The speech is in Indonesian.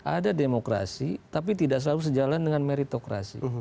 ada demokrasi tapi tidak selalu sejalan dengan meritokrasi